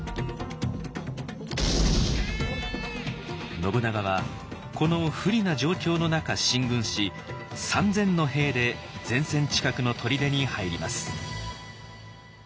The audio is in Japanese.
信長はこの不利な状況の中進軍し三千の兵で前線近くの砦に入ります。